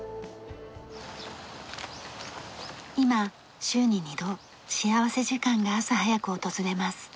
今週に２度幸福時間が朝早く訪れます。